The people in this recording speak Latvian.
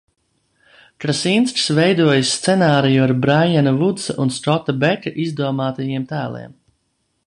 Krasinskis veidojis scenāriju ar Braiana Vudsa un Skota Beka izdomātajiem tēliem.